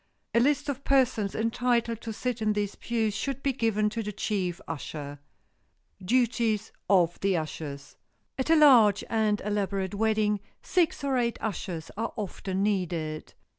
A list of the persons entitled to sit in these pews should be given to the chief usher. [Sidenote: DUTIES OF THE USHERS] At a large and elaborate wedding six or eight ushers are often needed.